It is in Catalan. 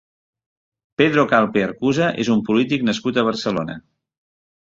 Pedro Calpe Arcusa és un polític nascut a Barcelona.